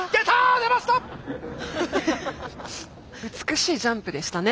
美しいジャンプでしたね